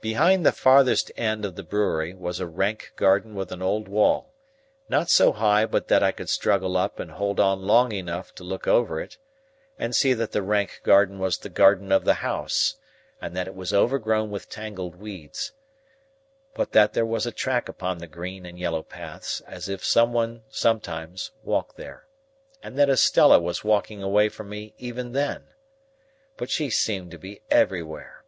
Behind the furthest end of the brewery, was a rank garden with an old wall; not so high but that I could struggle up and hold on long enough to look over it, and see that the rank garden was the garden of the house, and that it was overgrown with tangled weeds, but that there was a track upon the green and yellow paths, as if some one sometimes walked there, and that Estella was walking away from me even then. But she seemed to be everywhere.